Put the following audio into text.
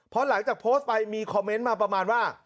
เพราะหลังจากโพสต์ไปมีคอมเมนต์มาประมาณว่า